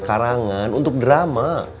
karangan untuk drama